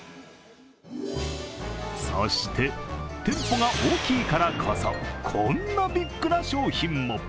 そして、店舗が大きいからこそこんなビッグな商品も。